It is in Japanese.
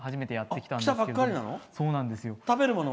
来たばっかりなの。